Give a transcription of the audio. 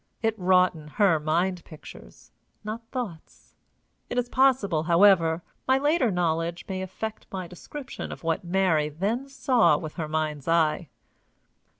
It wrought in her mind pictures, not thoughts. It is possible, however, my later knowledge may affect my description of what Mary then saw with her mind's eye.